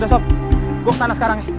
udah sob gue ke sana sekarang ya